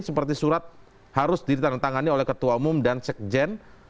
seperti surat harus ditandatangani oleh ketua umum dan sekjen